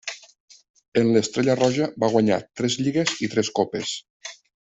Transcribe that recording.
En l'Estrella Roja va guanyar tres lligues i tres copes.